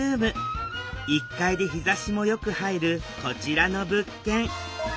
１階で日ざしもよく入るこちらの物件。